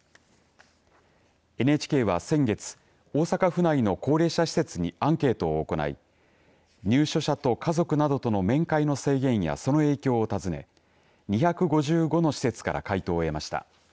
ＮＨＫは先月、大阪府内の高齢者施設にアンケートを行い入所者と家族などとの面会の制限やその影響を尋ね２５５の施設から回答を得ました。